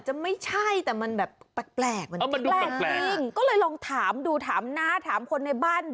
ดูซิว่ามันคือแสงอะไรคิดว่ายังไงกันบ้าง